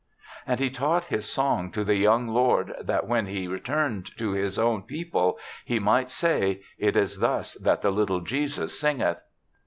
And he taught his song to the young lord that when he returned to his own people he might say, " It is thus that the little Jesus singeth."